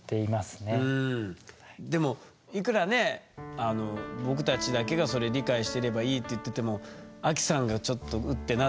でもいくらね僕たちだけがそれ理解してればいいって言っててもアキさんがちょっとウッってなってたらやっぱ気遣うでしょ？